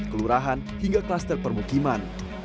kelurahan hingga kluster permukiman